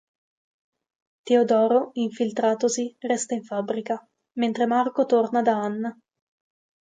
Teodoro, infiltratosi, resta in fabbrica, mentre Marco torna da Anna.